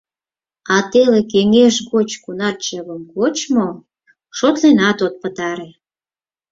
А теле-кеҥеж гочшо кунар чывым кочко — шотленат от пытаре!